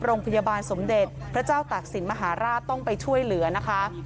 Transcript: โรงพยาบาลสมเด็จพระเจ้าตากศิลปมหาราชต้องไปช่วยเหลือนะคะ